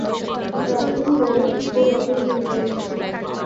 রাজু, রউফ ও রতন তিন বন্ধু।